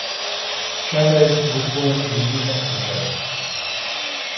Chavez was born in New Mexico.